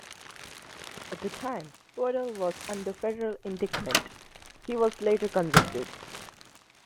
At the time, Podell was under federal indictment; he was later convicted.